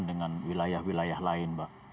dengan wilayah wilayah lain mbak